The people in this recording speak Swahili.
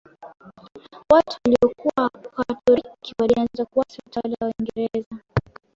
watu waliyokuwa wakatoriki walianza kuasi utawala wa uingereza